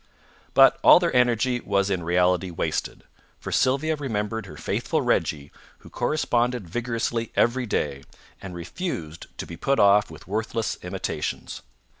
But all their energy was in reality wasted, for Sylvia remembered her faithful Reggie, who corresponded vigorously every day, and refused to be put off with worthless imitations.